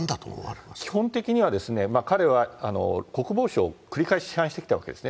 基本的には、彼は国防省を繰り返し批判してきたんです。